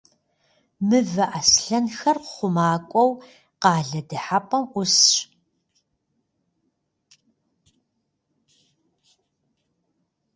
Мывэ аслъэнхэр хъумакӏуэу къалэ дыхьэпӏэм ӏусщ.